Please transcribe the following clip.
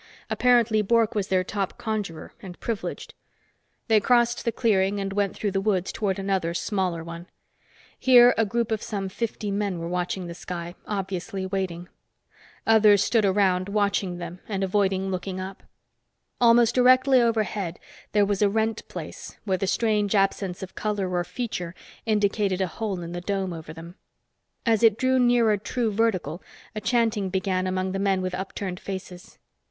Apparently Bork was their top conjurer, and privileged. They crossed the clearing and went through the woods toward another, smaller one. Here a group of some fifty men were watching the sky, obviously waiting. Others stood around, watching them and avoiding looking up. Almost directly overhead, there was a rent place where the strange absence of color or feature indicated a hole in the dome over them. As it drew nearer true vertical, a chanting began among the men with up turned faces.